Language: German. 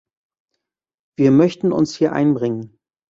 Wir möchten uns hier einbringen.